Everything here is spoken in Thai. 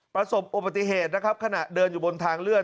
ประสบอุบัติเหตุนะครับขณะเดินอยู่บนทางเลื่อน